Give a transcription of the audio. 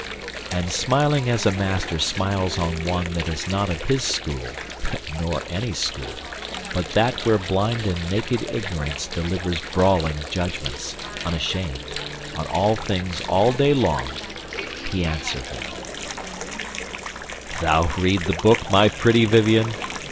And smiling as a master smiles at one That is not of his school, nor any school But that where blind and naked Ignorance Delivers brawling judgments, unashamed, On all things all day long, he answered her: "Thou read the book, my pretty Vivien!